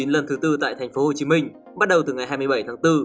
lần thứ tư tại tp hcm bắt đầu từ ngày hai mươi bảy tháng bốn